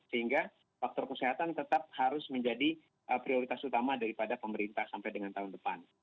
sehingga faktor kesehatan tetap harus menjadi prioritas utama daripada pemerintah sampai dengan tahun depan